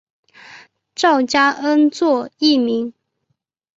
赵佳恩作艺名。